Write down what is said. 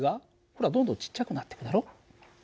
ほらどんどんちっちゃくなってくだろ？